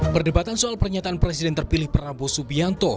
perdebatan soal pernyataan presiden terpilih prabowo subianto